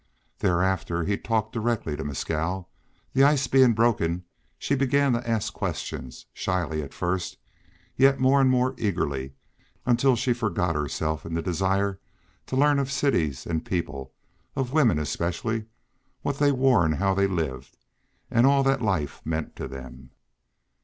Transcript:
Thereafter he talked directly to Mescal. The ice being broken she began to ask questions, shyly at first, yet more and more eagerly, until she forgot herself in the desire to learn of cities and people; of women especially, what they wore and how they lived, and all that life meant to them.